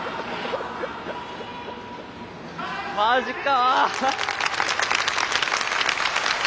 マジか。